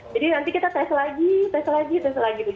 jadi nanti kita tes lagi tes lagi tes lagi gitu